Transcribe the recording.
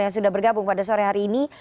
yang sudah bergabung pada sore hari ini